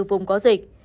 cùng có dịch